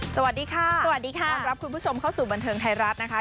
สวัสดีค่ะสวัสดีค่ะต้อนรับคุณผู้ชมเข้าสู่บันเทิงไทยรัฐนะคะ